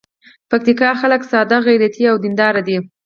پکتیکا خلک ساده، غیرتي او دین دار دي.